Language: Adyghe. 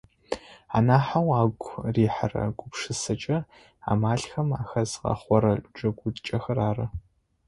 Анахьэу агу рихьырэр гупшысэкӏэ амалхэм ахэзгъэхъорэ джэгукӏэхэр ары.